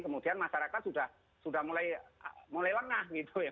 kemudian masyarakat sudah mulai lengah gitu ya